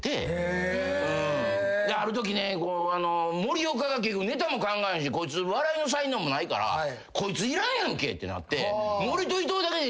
あるときねモリオカが結局ネタも考えんしこいつ笑いの才能もないからこいついらんやんけってなって。